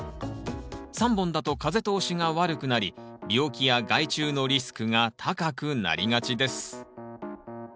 ３本だと風通しが悪くなり病気や害虫のリスクが高くなりがちです。